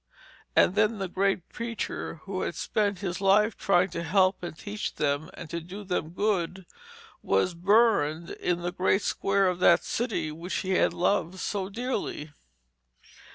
And then the great preacher, who had spent his life trying to help and teach them, and to do them good, was burned in the great square of that city which he had loved so dearly.